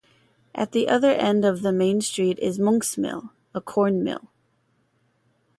At the other end of the main street is Monksmill, a corn mill.